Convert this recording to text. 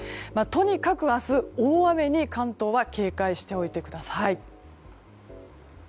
とにかく明日、大雨に関東は警戒しておいてください。